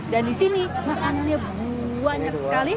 dan di sini makannya banyak sekali